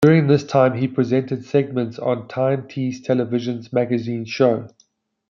During this time he also presented segments on Tyne Tees Television's magazine show.